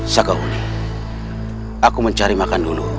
sakauli aku mencari makan dulu